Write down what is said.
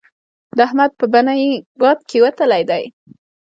د احمد په بنۍ باد کېوتلی دی.